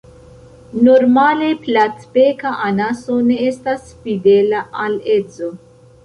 Normale Platbeka anaso ne estas fidela al edzo.